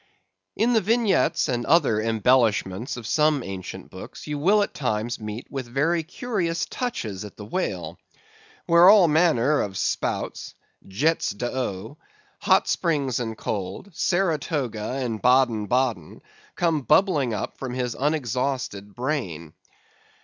In the vignettes and other embellishments of some ancient books you will at times meet with very curious touches at the whale, where all manner of spouts, jets d'eau, hot springs and cold, Saratoga and Baden Baden, come bubbling up from his unexhausted brain.